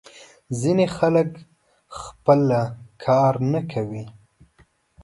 ځینې خلک خپله کار نه کوي.